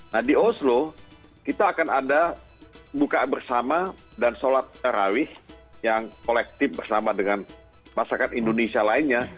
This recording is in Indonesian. nah di oslo kita akan ada bukaan bersama dan sholat tarawih yang kolektif bersama dengan masyarakat indonesia lainnya